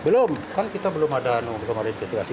belum kan kita belum ada nomor nomor klarifikasi